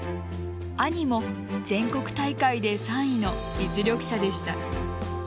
兄も全国大会で３位の実力者でした。